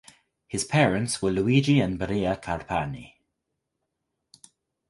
His parents were Luigi and Maria Carpani.